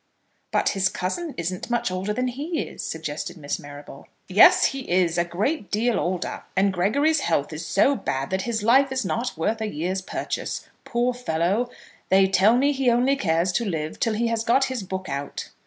"But his cousin isn't much older than he is," suggested Miss Marrable. "Yes he is, a great deal older. And Gregory's health is so bad that his life is not worth a year's purchase. Poor fellow! they tell me he only cares to live till he has got his book out.